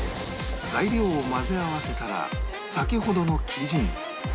材料を混ぜ合わせたら先ほどの生地に